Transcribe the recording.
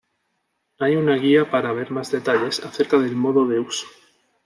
Hay una guía para ver más detalles acerca del modo de uso.